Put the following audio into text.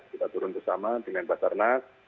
kita turun bersama dengan basarnas